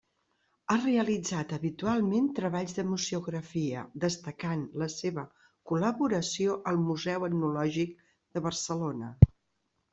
Ha realitzat habitualment treballs de museografia, destacant la seva col·laboració al Museu Etnològic de Barcelona.